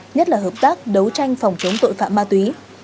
nhất là hợp tác đấu tranh phòng chống tội phạm ma túy